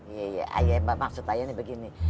iya iya maksud ayah ini begini